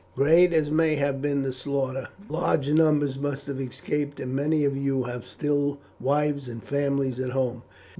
Great as may have been the slaughter, large numbers must have escaped, and many of you have still wives and families at home.